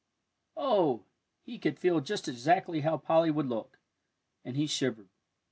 Oh, he could feel just exactly how Polly would look, and he shivered.